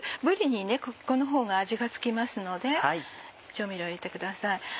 ぶりにこのほうが味が付きますので調味料を入れてください。